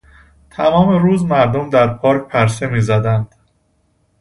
تمام روز مردم در پارک پرسه میزدند.